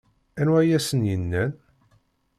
Anwa ay asen-yennan?